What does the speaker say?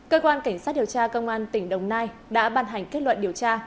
cơ quan cảnh sát điều tra công an tỉnh đồng nai đã ban hành kết luận điều tra